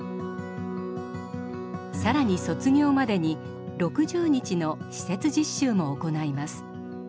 更に卒業までに６０日の施設実習も行います。